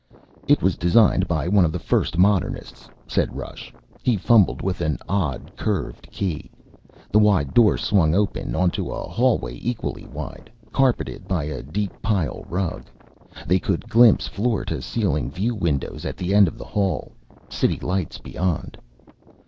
"It was designed by one of the first modernists," said Rush. He fumbled with an odd curved key. The wide door swung open onto a hallway equally wide, carpeted by a deep pile rug. They could glimpse floor to ceiling view windows at the end of the hall, city lights beyond.